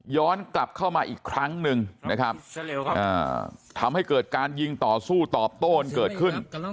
กลับเข้ามาอีกครั้งหนึ่งนะครับทำให้เกิดการยิงต่อสู้ตอบโต้กันเกิดขึ้น